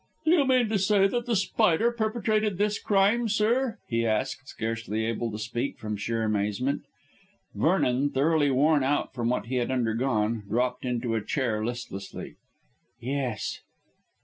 "Do you mean to say that The Spider perpetrated this crime, sir?" he asked, scarcely able to speak from sheer amazement. Vernon, thoroughly worn out from what he had undergone, dropped into a chair listlessly. "Yes."